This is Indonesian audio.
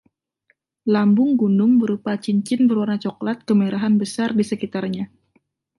Lambung gunung berupa cincin berwarna coklat kemerahan besar di sekitarnya.